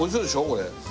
これ。